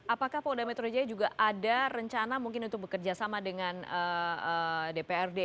apakah polda metro jaya juga ada rencana mungkin untuk bekerja sama dengan dprd